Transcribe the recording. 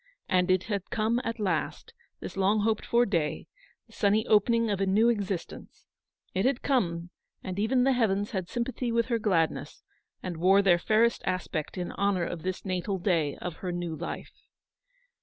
And it had come at last, this long hoped for day, the sunny opening of a new existence. It had come ; and even the heavens had sympathy with her gladness, and wore their fairest aspect in honour of this natal day of her new life.